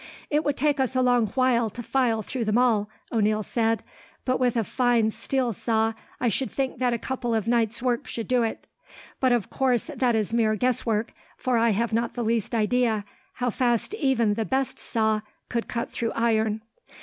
"It would take us a long while to file through them all," O'Neil said, "but with a fine steel saw, I should think that a couple of nights' work should do it. But of course that is mere guesswork, for I have not the least idea how fast even the best saw could cut through iron."